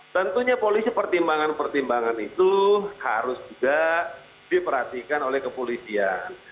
tentunya polisi pertimbangan pertimbangan itu harus juga diperhatikan oleh kepolisian